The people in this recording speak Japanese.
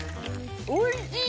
おいしい！